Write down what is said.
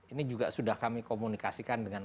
ini juga sudah kami komunikasikan dengan